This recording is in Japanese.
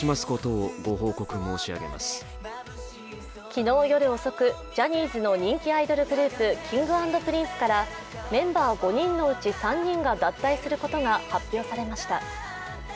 昨日夜遅く、ジャニーズの人気アイドルグループＫｉｎｇ＆Ｐｒｉｎｃｅからメンバー５人のうち３人が脱退することが発表されました。